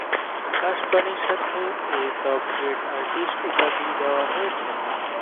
আকাশবাণীর সাথে A-top grade artist উপাধি দেওয়া হয়েছে।